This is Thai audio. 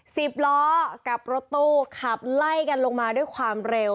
สิบล้อกับรถตู้ขับไล่กันลงมาด้วยความเร็ว